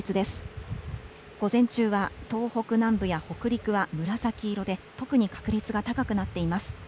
午前中は、東北南部や北陸は紫色で特に確率が高くなっています。